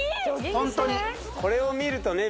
ホントにこれを見るとね